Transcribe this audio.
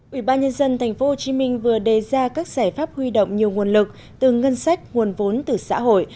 ủy ban nhân dân tp hcm vừa đề ra các giải pháp huy động nhiều nguồn lực từ ngân sách nguồn vốn từ xã hội